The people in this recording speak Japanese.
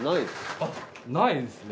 あっないですね。